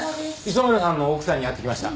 磯村さんの奥さんに会ってきました。